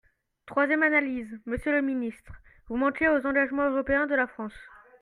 Troisième analyse, monsieur le ministre, vous manquez aux engagements européens de la France.